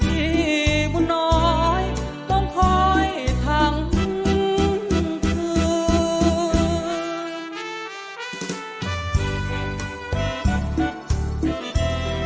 พี่บุญน้อยต้องคอยทำคืน